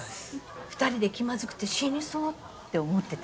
２人で気まずくて死にそうって思ってたでしょ。